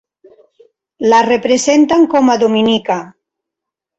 La representen com a "Dominica".